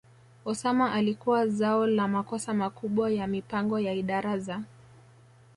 Osama alikuwa zao la makosa makubwa ya mipango ya idara za